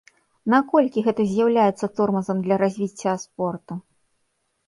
Наколькі гэта з'яўляецца тормазам для развіцця спорту?